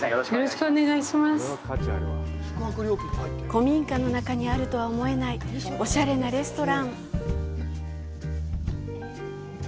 古民家の中にあるとは思えないおしゃれなレストラン。